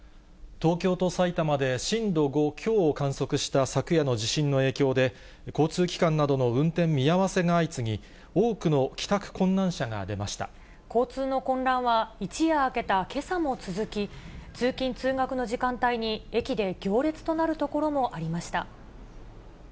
東京と埼玉で震度５強を観測した昨夜の地震の影響で、交通機関などの運転見合わせが相次ぎ、交通の混乱は、一夜明けたけさも続き、通勤・通学の時間帯に、駅で行列となる所もありました。